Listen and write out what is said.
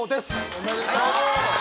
おめでとう！